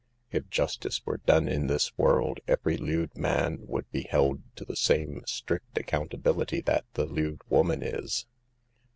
If justice were done in this world, every lewd man would be held to the same strict accountability that the lewd woman is.